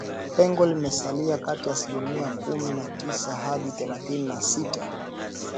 Pengo limesalia kati ya asilimia kumi na tisa hadi thelathini na sita